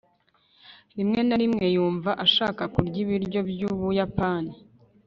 rimwe na rimwe yumva ashaka kurya ibiryo byubuyapani